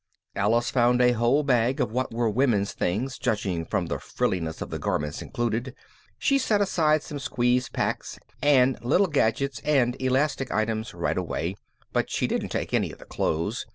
Alice found a whole bag of what were women's things judging from the frilliness of the garments included. She set aside some squeeze packs and little gadgets and elastic items right away, but she didn't take any of the clothes.